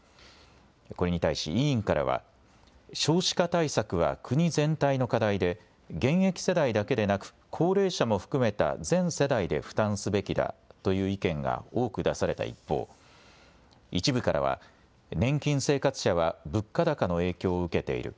これに対し委員からは少子化対策は国全体の課題で現役世代だけでなく高齢者も含めた全世代で負担すべきだという意見が多く出された一方、一部からは年金生活者は物価高の影響を受けている。